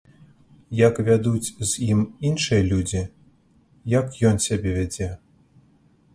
Як вядуць з ім іншыя людзі, як ён сябе вядзе.